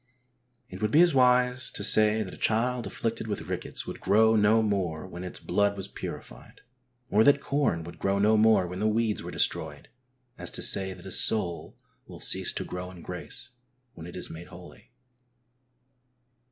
It would be as wise to say that a child afflicted with rickets would grow no more when its blood was purified ; or that corn would grow no more when the weeds were destroyed as to say that a soul will cease to grow in grace when it is made holy.